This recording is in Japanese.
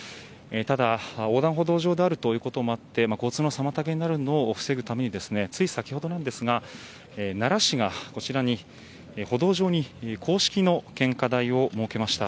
ただ横断歩道上であるということもあり交通の妨げになることを防ぐためについ先ほど、奈良市が歩道上に公式の献花台を設けました。